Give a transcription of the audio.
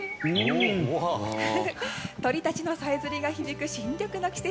鳥たちのさえずりが響く新緑の季節。